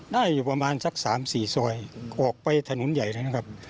ได้อยู่ประมาณสัก๓๔ซอยออกไปถนนใหญ่แล้วนะครับ